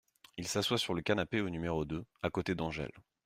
Il s’asseoit sur le canapé au n° deux, à côté d’Angèle.